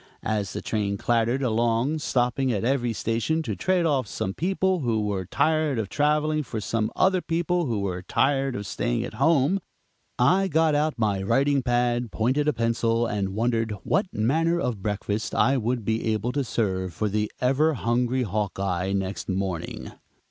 As the train clattered along, stopping at every station to trade off some people who were tired of traveling for some other people who were tired of staying at home, I got out my writing pad, pointed a pencil, and wondered what manner of breakfast I would be able to serve for the ever hungry "Hawkeye" next morning.